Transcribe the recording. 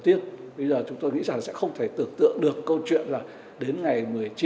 tiếp tục bây giờ chúng tôi nghĩ rằng sẽ không thể tưởng tượng được câu chuyện là đến ngày một mươi chín hai mươi